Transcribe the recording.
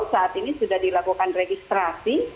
saat ini sudah dilakukan registrasi